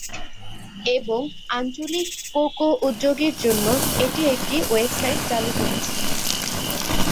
এবং আঞ্চলিক কোকো উদ্যোগের জন্য এটি একটি ওয়েবসাইট চালু করেছে।